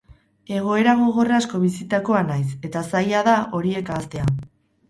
Egoera gogor asko bizitakoa naiz, eta zaila da horiek ahaztea.